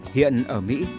hiện ở mỹ